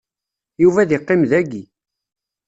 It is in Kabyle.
Yuba ad iqqim dagi.